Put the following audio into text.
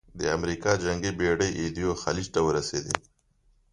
د امریکا جنګي بېړۍ ایدو خلیج ته ورسېدې.